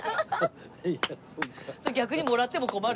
逆にもらっても困る。